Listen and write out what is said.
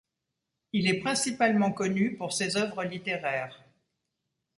Il est principalement connu pour ses œuvres littéraires.